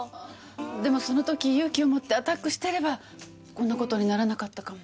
でもその時勇気を持ってアタックしてればこんな事にならなかったかも。